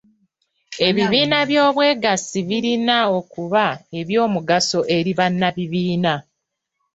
Ebibiina by'obwegassi birina okuba eby'omugaso eri bannabibiina.